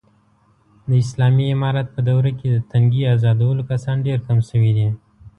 د اسالامي امارت په دوره کې، د تنگې ازادولو کسان ډېر کم شوي دي.